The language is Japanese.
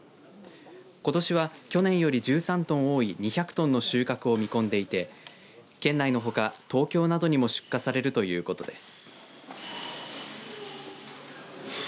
ことしは、去年より１３トン多い２００トンの収穫を見込んでいて県内のほか東京などにも出荷されるということです。